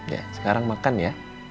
ya sekarang makan ya